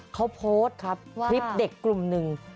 เขาโพสต์ครับคลิปเด็กกลุ่มหนึ่ง